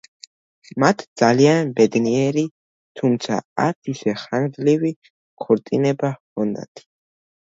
მათ ძალიან ბედნიერი, თუმცა არც ისე ხანგრძლივი ქორწინება ჰქონდათ.